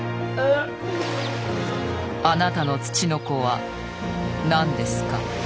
あなたのツチノコは何ですか？